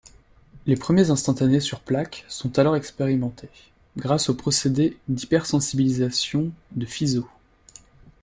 Les premiers instantanés sur plaque sont alors expérimentés, grâce aux procédés d'hypersensibilisation de Fizeau.